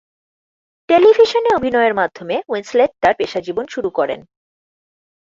টেলিভিশনে অভিনয়ের মাধ্যমে উইন্সলেট তার পেশাজীবন শুরু করেন।